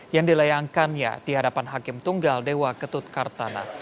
yang dilayangkannya di hadapan hakim tunggal dewa ketut kartana